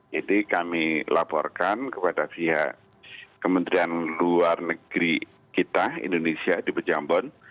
jadi kami laporkan kepada via kementerian luar negeri kita indonesia di pejambon